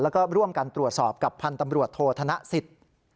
แล้วก็ร่วมกันตรวจสอบกับพันธ์ตำรวจโทษธนสิทธิ์